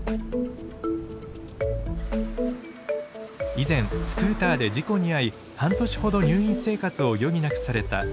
以前スクーターで事故に遭い半年ほど入院生活を余儀なくされた依田さん。